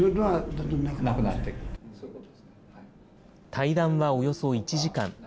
対談はおよそ１時間。